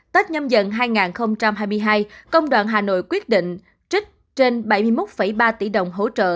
tết nhâm dần hai nghìn hai mươi hai công đoàn hà nội quyết định trích trên bảy mươi một ba tỷ đồng hỗ trợ